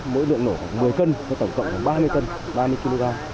mỗi lượng nổ một mươi cân và tổng cộng ba mươi cân ba mươi kg